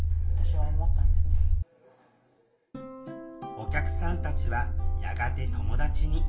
お客さんたちはやがて友達に。